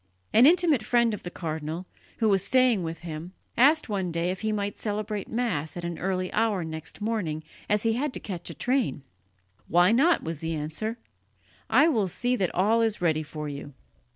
An intimate friend of the cardinal, who was staying with him, asked one day if he might celebrate Mass at an early hour next morning, as he had to catch a train. "Why not?" was the answer, "I will see that all is ready for you."